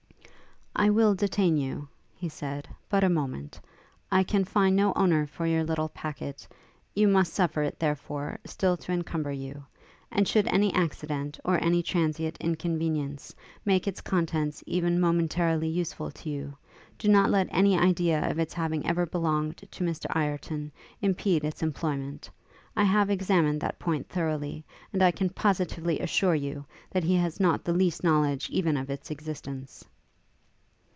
'I will detain you,' he said, 'but a moment. I can find no owner for your little packet; you must suffer it, therefore, still to encumber you; and should any accident, or any transient convenience, make its contents even momentarily useful to you, do not let any idea of its having ever belonged to Mr Ireton impede its employment: I have examined that point thoroughly, and I can positively assure you, that he has not the least knowledge even of its existence.'